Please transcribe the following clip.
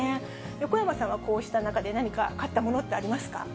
横山さんは、こうした中で何か買ったものってありますか？